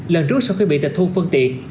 lần trước sau khi bị tịch thu phương tiện